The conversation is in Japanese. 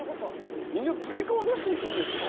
みんなブレーカー落としていくんですか？